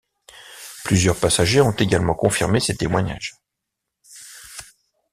Plusieurs passagers ont également confirmé ces témoignages.